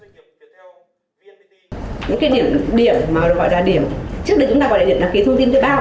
những cái điểm mà gọi là điểm trước đây chúng ta gọi là điểm đăng ký thông tin thuê bao